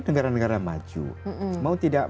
negara negara maju mau tidak